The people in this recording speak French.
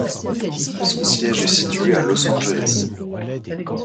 Son siège est situé à Los Angeles.